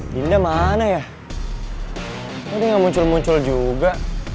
binda mana ya udah nggak muncul muncul juga